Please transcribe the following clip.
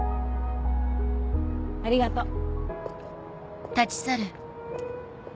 ありがとう。